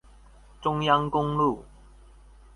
中央公路